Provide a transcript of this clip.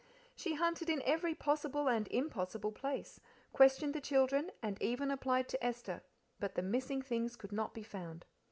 She hunted in every possible and impossible place, questioned the children, and even applied to Esther, but the missing things could not be found.